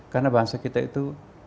karena bangsa kita itu